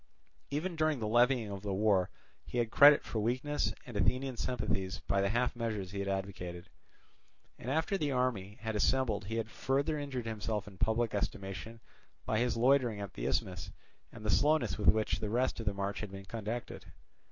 Even during the levying of the war he had credit for weakness and Athenian sympathies by the half measures he had advocated; and after the army had assembled he had further injured himself in public estimation by his loitering at the Isthmus and the slowness with which the rest of the march had been conducted.